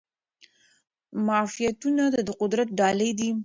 معافیتونه د قدرت ډال دي.